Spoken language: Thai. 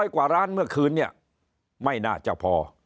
กว่าร้านเมื่อคืนเนี่ยไม่น่าจะพอ